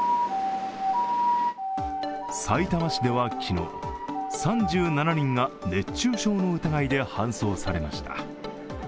さいたま市では昨日、３７人が熱中症の疑いで搬送されました。